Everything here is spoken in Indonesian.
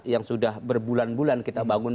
yang sudah berbulan bulan kita bangun